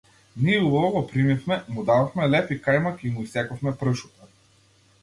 Ние убаво го примивме, му дадовме леб и кајмак и му исековме пршута.